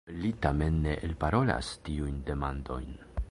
Li tamen ne elparolas tiujn demandojn.